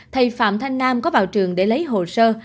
thầy phạm thanh nam có vào trường để lấy hồ sơ